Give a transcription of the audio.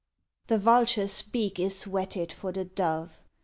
The vulture s beak is whetted for the dove.